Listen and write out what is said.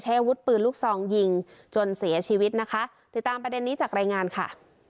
อาวุธปืนลูกซองยิงจนเสียชีวิตนะคะติดตามประเด็นนี้จากรายงานค่ะ